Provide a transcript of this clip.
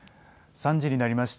３時になりました。